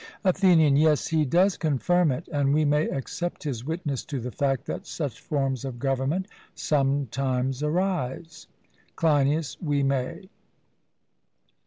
ATHENIAN: Yes, he does confirm it; and we may accept his witness to the fact that such forms of government sometimes arise. CLEINIAS: We may.